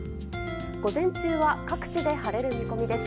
午前中は各地で晴れる見込みです。